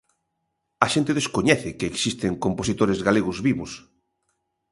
A xente descoñece que existen compositores galegos vivos.